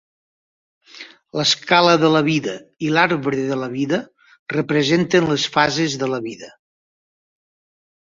L'Escala de la Vida i l'Arbre de la Vida representen les fases de la vida.